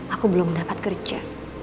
aku belum mendapat kerja